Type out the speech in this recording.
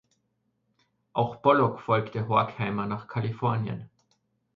Auch Pollock folgte Horkheimer nach Kalifornien.